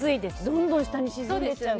どんどん下に沈む。